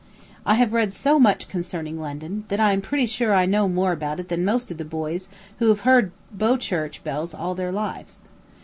I have read so much concerning London, that I am pretty sure I know more about it than many of the boys who have heard Bow Church bells all their lives.